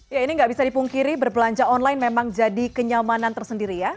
ya ini nggak bisa dipungkiri berbelanja online memang jadi kenyamanan tersendiri ya